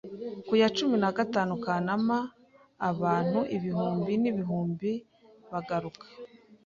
Ku ya cumi na gatanu Kanama, abantu ibihumbi n'ibihumbi baguruka. )